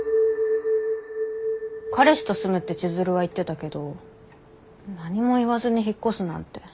「彼氏と住む」って千鶴は言ってたけど何も言わずに引っ越すなんて。